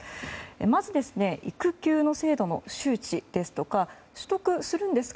まず、育休の制度の周知ですとか取得するんですか？